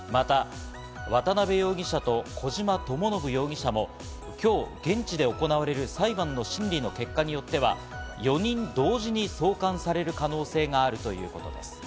また、渡辺容疑者と小島智信容疑者も今日現地で行われる裁判の審理の結果によっては、４人同時に送還される可能性があるということです。